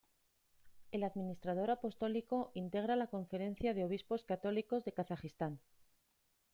El administrador apostólico integra la Conferencia de Obispos Católicos de Kazajistán.